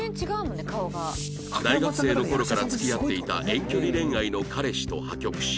大学生の頃から付き合っていた遠距離恋愛の彼氏と破局し